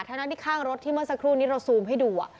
ทั้งนั้นที่ข้างรถที่เมื่อสักครู่นี้เราซูมให้ดู